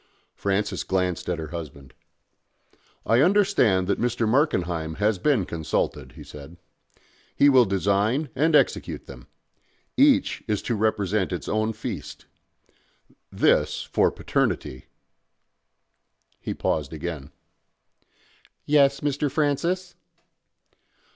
Francis glanced at her husband. "I understand that Mr. Markenheim has been consulted," he said. "He will design and execute them. Each is to represent its own feast. This for Paternity " He paused again. "Yes, Mr. Francis?"